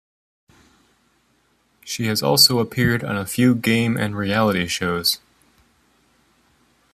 She has also appeared on a few game and reality shows.